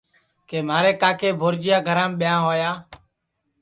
کہ مہارے کاکے بھورجیا گھرام بیاں ہویا